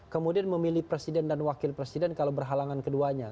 kemudian memilih presiden dan wakil presiden kalau berhalangan keduanya